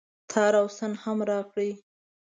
تار او ستن هم راکړئ